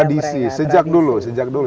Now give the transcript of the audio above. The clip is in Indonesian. tradisi sejak dulu sejak dulu